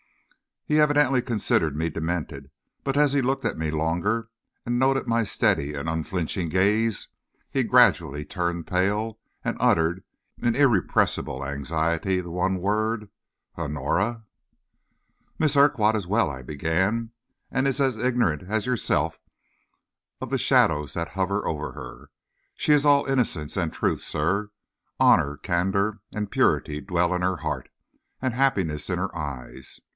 He evidently considered me demented, but as he looked at me longer, and noted my steady and unflinching gaze, he gradually turned pale, and uttered, in irrepressible anxiety, the one word "Honora!" "Miss Urquhart is well," I began, "and is as ignorant as yourself of the shadows that hover over her. She is all innocence and truth, sir. Honor, candor and purity dwell in her heart, and happiness in her eyes.